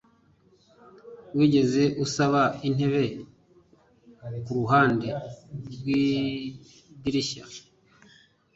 Wigeze usaba intebe kuruhande rwidirishya?